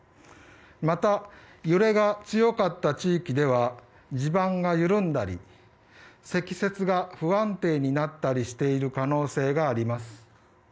また、揺れが強かった地域では地盤が緩んだり、積雪が不安定になっている可能性があります。